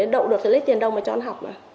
đậu được thì lấy tiền đâu mà cho ăn học mà